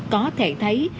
có thể thấy